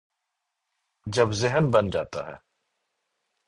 جب ذہن بن جاتا ہے۔